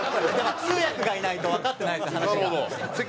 通訳がいないとわかってないです話が。